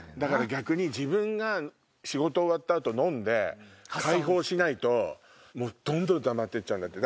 逆に自分が仕事終わった後飲んで解放しないとどんどんたまっちゃうんだって。